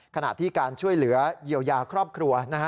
ขณะที่การช่วยเหลือเยียวยาครอบครัวนะฮะ